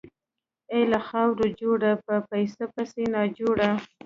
اې له خاورو جوړه، په پيسو پسې ناجوړه !